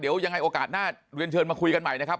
เดี๋ยวยังไงโอกาสหน้าเรียนเชิญมาคุยกันใหม่นะครับ